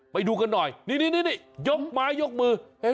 ไปดูกันหน่อยนี่ยกไม้ยกมือ